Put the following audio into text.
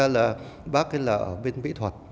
bác hân thì thực ra là bác ở bên mỹ thuật